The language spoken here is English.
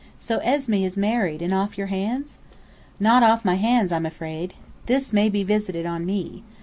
So Esmé is married, and off your hands?" "Not off my hands, I'm afraid. This may be visited on me.